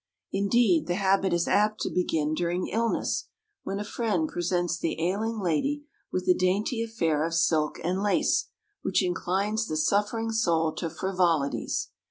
Indeed, the habit is apt to begin during illness, when a friend presents the ailing lady with a dainty affair of silk and lace which inclines the suffering soul to frivolities.